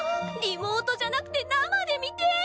リモートじゃなくて生で見てえ！